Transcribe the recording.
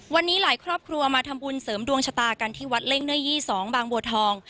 วันนี้หลายครอบครัวมาทำบุญเสริมดวงชะตากันที่วัดเล่งเนื้อยี่๒บางบัวทอง